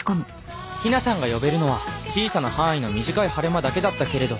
陽菜さんが呼べるのは小さな範囲の短い晴れ間だけだったけれど